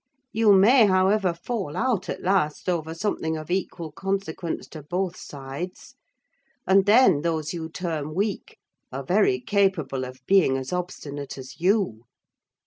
You may, however, fall out, at last, over something of equal consequence to both sides; and then those you term weak are very capable of being as obstinate as you."